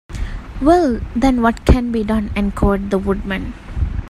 Well, then, what can be done? enquired the Woodman.